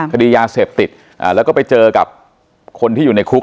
คดียาเสพติดแล้วก็ไปเจอกับคนที่อยู่ในคุก